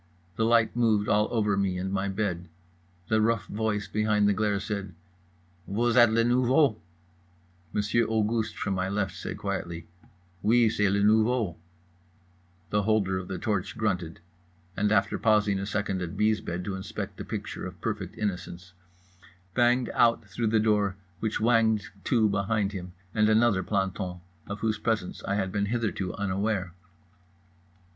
The light moved all over me and my bed. The rough voice behind the glare said: "Vous êtes le nouveau?" Monsieur Auguste, from my left, said quietly: "Oui, c'est le nouveau." The holder of the torch grunted, and (after pausing a second at B.'s bed to inspect a picture of perfect innocence) banged out through the door which whanged to behind him and another planton, of whose presence I had been hitherto unaware.